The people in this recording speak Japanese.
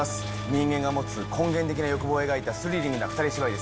人間が持つ根源的な欲望を描いたスリリングな二人芝居です。